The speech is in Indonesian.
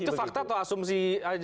itu fakta atau asumsi